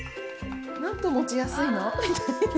なんと持ちやすいの！みたいな。